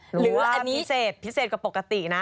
หรือว่าอันนี้หรือว่าพิเศษกว่าปกตินะ